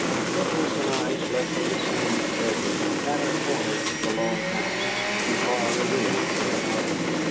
Nicholas and I slept in the same bedroom, at a corner of the long house, and far removed from his mother.